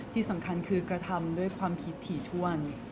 ที่สำคัญคือกระทำด้วยความคิดถี่ถ้วน